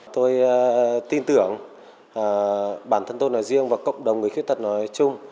tôi tin tưởng bản thân tôi nói riêng và cộng đồng người khuyết tật nói chung